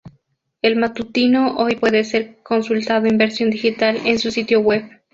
El matutino hoy puede ser consultado en versión digital en su sitio web.